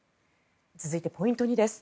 続いてポイント２です。